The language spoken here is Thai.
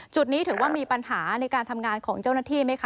จุดนี้ถือว่ามีปัญหาในการทำงานของเจ้าหน้าที่ไหมคะ